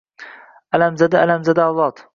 Alam-zada-alamzada avlod!